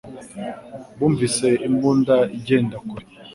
Bumvise imbunda igenda kure.